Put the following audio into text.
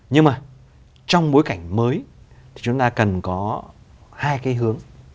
nhưng mà trong bối cảnh mới thì chúng ta cần có hai cái hướng